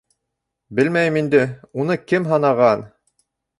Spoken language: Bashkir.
— Белмәйем инде, уны кем һанаған.